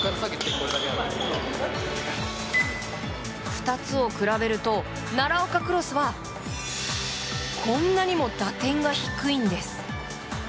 ２つを比べると、奈良岡クロスはこんなにも打点が低いんです。